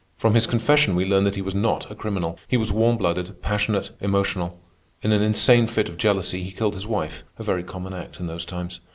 From his confession we learn that he was not a criminal. He was warm blooded, passionate, emotional. In an insane fit of jealousy he killed his wife—a very common act in those times.